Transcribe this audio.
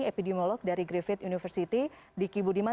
epidemiolog dari griffith university diki budiman